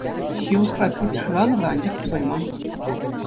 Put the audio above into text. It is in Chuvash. Ҫывӑхра пӳрт шыранӑ-ха, анчах тупайман.